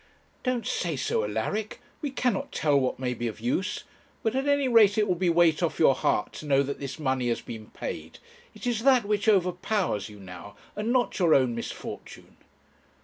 'Don't say so, Alaric; we cannot tell what may be of use. But at any rate it will be weight off your heart to know that this money has been paid. It is that which overpowers you now, and not your own misfortune.'